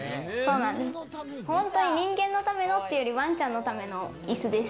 本当に人間のためのというよりワンちゃんのための椅子です。